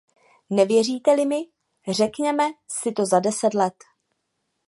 Nevěříte-li mi, řekněme si to za deset let.